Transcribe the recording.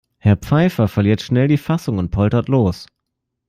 Herr Pfeiffer verliert schnell die Fassung und poltert los.